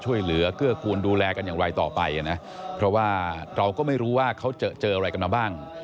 เกื้อกูลดูแลกันอย่างไรต่อไปนะเพราะว่าเราก็ไม่รู้ว่าเขาเจออะไรกันมาบ้าง